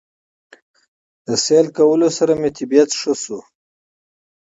د سېل کولو سره مې طبعيت ښه شو